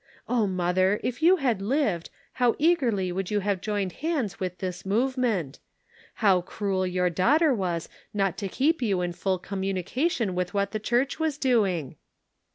Oh, mother, if you had lived, how eagerly would you have joined hands with this movement ! How cruel your daughter was not to keep you in full communication with what the Church was doing